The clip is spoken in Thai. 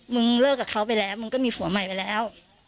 มึงเลิกกับเขาไปแล้วมึงก็มีผัวใหม่ไปแล้ว